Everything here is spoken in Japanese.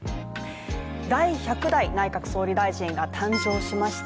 第１００代内閣総理大臣が誕生しました。